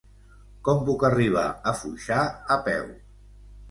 Com puc arribar a Foixà a peu?